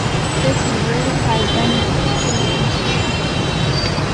This river has been known since ancient times.